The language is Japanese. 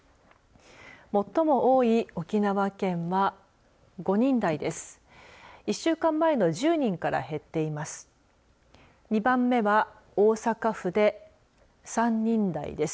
最も多い沖縄県は５人台です。